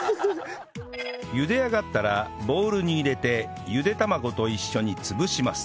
茹で上がったらボウルに入れてゆで卵と一緒に潰します